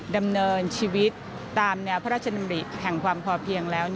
ดำเนินชีวิตตามแนวพระราชดำริแห่งความพอเพียงแล้ว